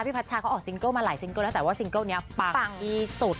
พัชชาเขาออกซิงเกิ้ลมาหลายซิงเกิ้แล้วแต่ว่าซิงเกิ้ลนี้ปังที่สุด